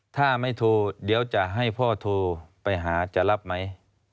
ถ้าไม่โทรเดี๋ยวจะให้พ่อโทรไปหาจะรับไหม